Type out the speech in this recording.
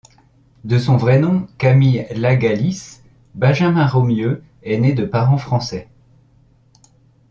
De son vrai nom Camille Lagalisse, Benjamin Romieux est né de parents français.